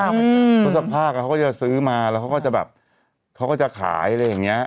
ธสภาคธสภาคเขาก็จะซื้อมาแล้วเขาก็จะขายอะไรอย่างนี้